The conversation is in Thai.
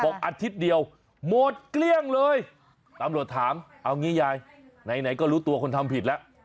อาทิตย์เดียวหมดเกลี้ยงเลยตำรวจถามเอางี้ยายไหนก็รู้ตัวคนทำผิดแล้ว